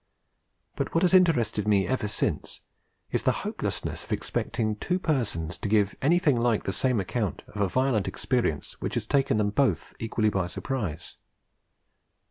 But what has interested me ever since is the hopelessness of expecting two persons to give anything like the same account of a violent experience which has taken them both equally by surprise.